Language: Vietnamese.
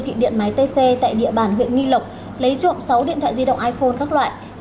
thị điện máy tc tại địa bàn huyện nghi lộc lấy trộm sáu điện thoại di động iphone các loại